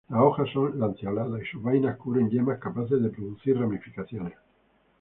Las hojas son lanceoladas y sus vainas cubren yemas capaces de producir ramificaciones.